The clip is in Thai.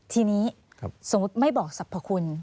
ทีนี้สมมุติไม่บอกสรรพคุณ